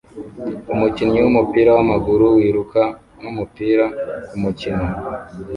Umukinnyi wumupira wamaguru wiruka numupira kumukino